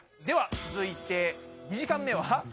では続いて２時間目は。